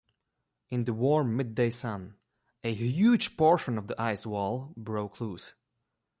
In the warm midday sun a huge portion of the ice wall broke loose.